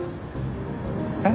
えっ？